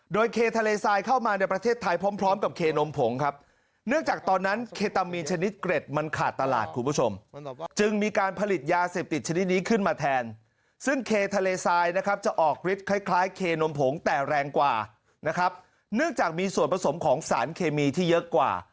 โดยเคทะเลทรายเข้ามาในประเทศไทยพร้อมพร้อมกับเคนมผงครับเนื่องจากตอนนั้นเคตามีนชนิดเกร็ดมันขาดตลาดคุณผู้ชมจึงมีการผลิตยาเสพติดชนิดนี้ขึ้นมาแทนซึ่งเคทะเลทรายนะครับจะออกฤทธิคล้ายเคนมผงแต่แรงกว่านะครับเนื่องจากมีส่วนผสมของสารเคมีที่เยอะกว่า